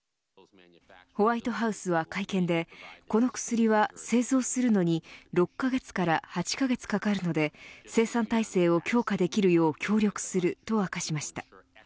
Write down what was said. ホワイトハウスは会見でこの薬は製造するのに６カ月から８カ月かかるので生産体制を強化できるよう協力すると明かしました。